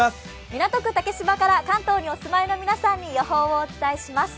港区竹芝から関東にお住まいの皆さんに天気をお伝えします。